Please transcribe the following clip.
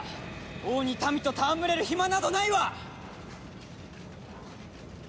王に民と戯れる暇などないわ！